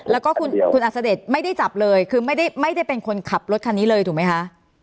แล้วก็คุณอัศเดชไม่ได้จับเลยคือไม่ได้เป็นคนขับรถคันนี้เลยถูกไหมคะ